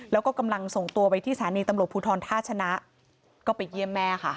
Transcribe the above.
แล้วก็กำลังส่งตัวไปที่สถานีตำรวจภูทรท่าชนะก็ไปเยี่ยมแม่ค่ะ